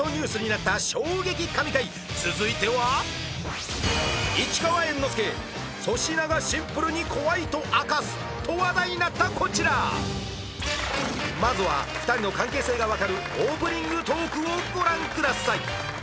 続いては市川猿之助粗品が「シンプルに怖い」と明かすと話題になったこちらまずは２人の関係性がわかるオープニングトークをご覧ください